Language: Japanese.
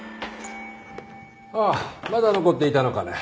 ああまだ残っていたのかね。